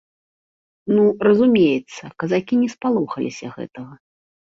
Ну, разумеецца, казакі не спалохаліся гэтага.